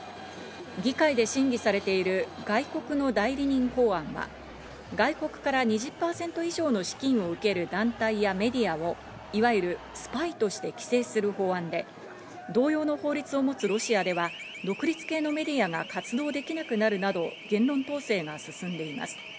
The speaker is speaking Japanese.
議会で審議されている外国の代理人法案は、外国から２０％以上の資金を受ける団体やメディアをいわゆるスパイとして規制する法案で、同様の法律を持つロシアでは独立系のメディアが活動できなくなるなど言論統制が進んでいます。